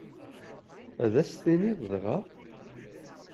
Ad as-t-tiniḍ dɣa?